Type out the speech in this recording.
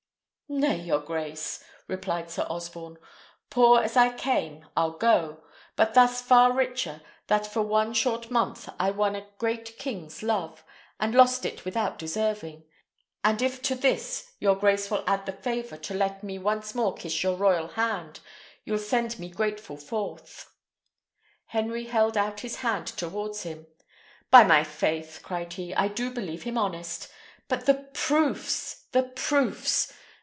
"Nay, your grace," replied Sir Osborne, "poor as I came I'll go; but thus far richer, that for one short month I won a great king's love, and lost it without deserving; and if to this your grace will add the favour to let me once more kiss your royal hand, you'll send me grateful forth." Henry held out his hand towards him. "By my faith," cried he, "I do believe him honest! But the proofs! the proofs!